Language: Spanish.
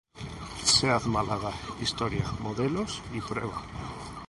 Seat Málaga: historia, modelos y prueba